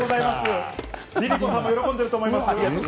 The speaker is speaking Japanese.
ＬｉＬｉＣｏさんも喜んでると思います。